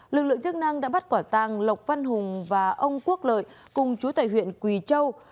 lực lượng chức năng đã bắt quả tàng lộc văn hùng và ông quốc lợi cùng chú tại huyện quỳ châu